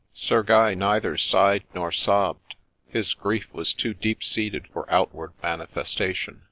Sir Guy neither sighed nor sobbed ; his grief was too deep seated for outward manifestation.